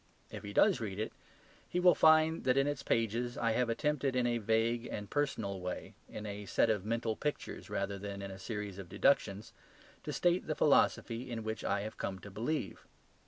If he does read it, he will find that in its pages I have attempted in a vague and personal way, in a set of mental pictures rather than in a series of deductions, to state the philosophy in which I have come to believe.